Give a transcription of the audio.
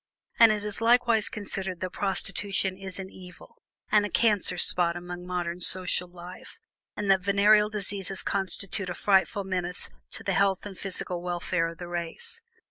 And it is likewise conceded that prostitution is an evil, and a cancer spot upon modern social life, and that venereal diseases constitute a frightful menace to the health and physical welfare of the race.